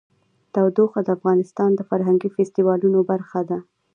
تودوخه د افغانستان د فرهنګي فستیوالونو برخه ده.